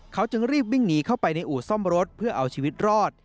เขาจึงรีบวิ่งหนีเข้าไปในอู่ซ่อมรถเพื่อเอาชีวิตรอด